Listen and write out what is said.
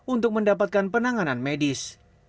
untuk mendapatkan penanganan medis